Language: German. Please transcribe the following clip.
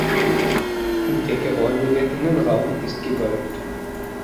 Der geräumige Innenraum ist gewölbt.